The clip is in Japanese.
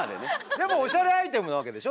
でもおしゃれアイテムなわけでしょ？